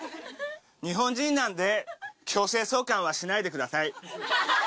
日本人なんで強制送還はしないでください。